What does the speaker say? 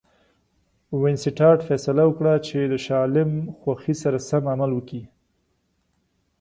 وینسیټارټ فیصله وکړه چې د شاه عالم خوښي سره سم عمل وکړي.